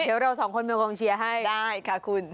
เดี๋ยวเราสองคนเป็นกองเชียร์ให้ได้ค่ะคุณ